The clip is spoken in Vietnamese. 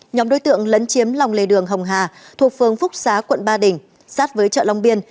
nhóm đối tượng lấn chiếm lòng lề đường hồng hà thuộc phương phúc xá quận ba đình sát với chợ long biên